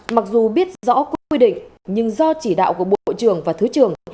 mặc dù biết rõ quy định nhưng do chỉ đạo của bộ trưởng và thứ trưởng